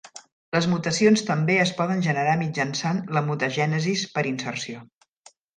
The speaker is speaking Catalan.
Les mutacions també es poden generar mitjançant la mutagènesis per inserció.